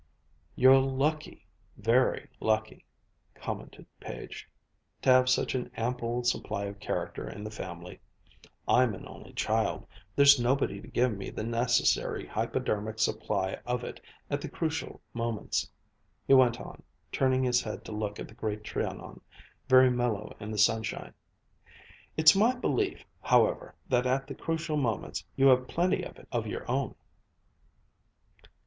"You're lucky, very lucky," commented Page, "to have such an ample supply of character in the family. I'm an only child. There's nobody to give me the necessary hypodermic supply of it at the crucial moments." He went on, turning his head to look at the Great Trianon, very mellow in the sunshine. "It's my belief, however, that at the crucial moments you have plenty of it of your own."